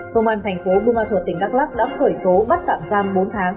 công an thành phố bùa hòa thuật tỉnh gác lắc đắp cởi số bắt tạm giam bốn tháng